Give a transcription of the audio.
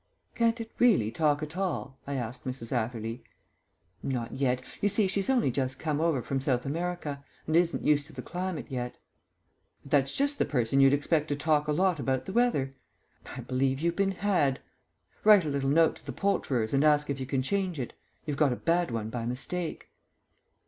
"Can't it really talk at all?" I asked Mrs. Atherley. "Not yet. You see, she's only just come over from South America, and isn't used to the climate yet." "But that's just the person you'd expect to talk a lot about the weather. I believe you've been had. Write a little note to the poulterers and ask if you can change it. You've got a bad one by mistake."